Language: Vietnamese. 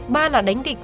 ba là đánh địch